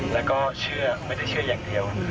แล้วก็เชื่อไม่ได้เชื่ออย่างเดียว